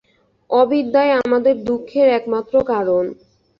অবিদ্যাই আমাদের দুঃখের একমাত্র কারণ।